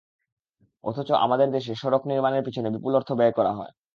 অথচ আমাদের দেশে সড়ক নির্মাণের পেছনে বিপুল অর্থ ব্যয় করা হয়।